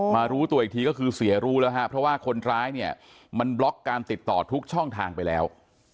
รู้ตัวอีกทีก็คือเสียรู้แล้วฮะเพราะว่าคนร้ายเนี่ยมันบล็อกการติดต่อทุกช่องทางไปแล้ว